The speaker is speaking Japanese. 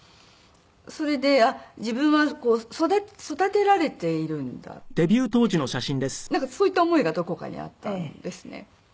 それで自分は育てられているんだっていうそういった思いがどこかにあったんですね。